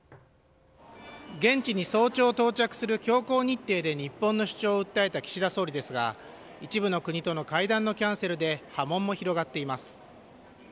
現地に早朝到着する強行日程で日本の主張を訴えた岸田総理ですが一部の国との会談のキャンセルで波紋も広がっています。